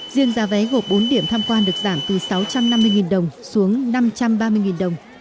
riêng giá vé gộp bốn điểm tham quan được giảm từ sáu trăm năm mươi đồng xuống năm trăm ba mươi đồng